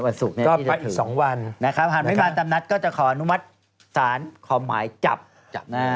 วันสุดนี้ที่จะถือนะครับหันไม่มาตำนัดก็จะขออนุมัติศาลขอหมายจับหน้า